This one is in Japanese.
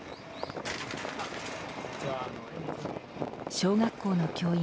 小学校の教員